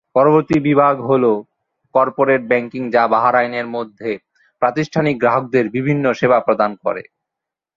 পরবর্তী বিভাগ হল কর্পোরেট ব্যাংকিং যা বাহরাইনের মধ্যে প্রাতিষ্ঠানিক গ্রাহকদের বিভিন্ন সেবা প্রদান করে।